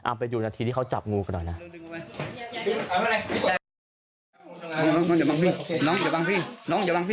เอาไปดูนาทีที่เขาจับงูกันหน่อยนะ